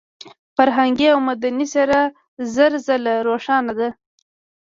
فرهنګي او مدني څېره زر ځله روښانه ده.